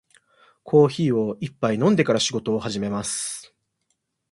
コーヒーを一杯飲んでから仕事を始めます。